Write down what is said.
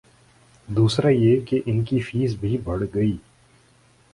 دوسرا یہ کہ ان کی فیس بھی بڑھ گئی۔